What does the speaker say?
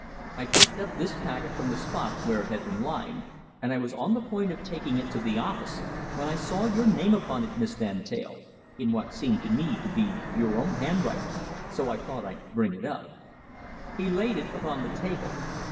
I picked up this packet from the spot where he had been lying, and I was on the point of taking it to the office when I saw your name upon it, Miss Van Teyl, in what seemed to me to be your own handwriting, so I thought I'd bring it up." He laid it upon the table.